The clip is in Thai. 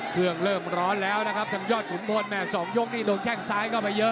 เครื่องเริ่มร้อนแล้วนะครับทางยอดขุนพลแม่๒ยกนี่โดนแข้งซ้ายเข้าไปเยอะ